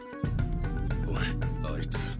おいあいつ。